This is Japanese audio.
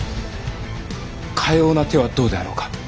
かような手はどうであろうか！